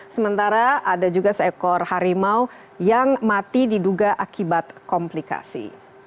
sementara ada juga seekor harimau yang mati diduga akibat komplikasi